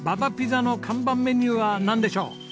ＢａＢａピザの看板メニューはなんでしょう？